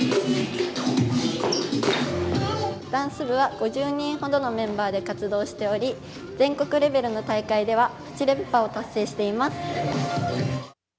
ダンス部は５０人ほどのメンバーで活動しており全国レベルの大会では７連覇を達成しています。